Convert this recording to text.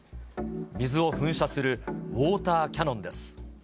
水を噴射するウォーターキャノンです。